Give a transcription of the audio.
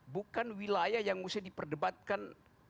bukan wilayah yang mesti diperdebatkan